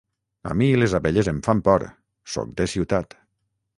A mi les abelles em fan por; sóc de ciutat.